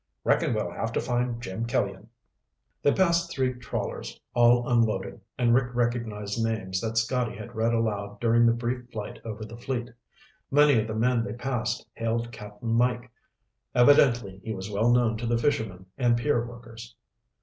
Reckon we'll have to find Jim Killian." They passed three trawlers, all unloading, and Rick recognized names that Scotty had read aloud during their brief flight over the fleet. Many of the men they passed hailed Cap'n Mike. Evidently he was well known to the fisherman and pier workers.